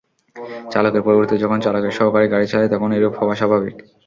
চালকের পরিবর্তে যখন চালকের সহকারী গাড়ি চালায়, তখন এরূপ হওয়া স্বাভাবিক।